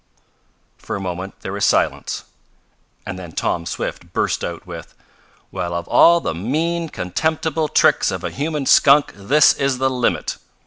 For a moment there was silence, and then Tom Swift burst out with: "Well, of all the mean, contemptible tricks of a human skunk this is the limit!"